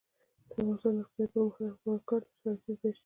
د افغانستان د اقتصادي پرمختګ لپاره پکار ده چې خیاطۍ زده شي.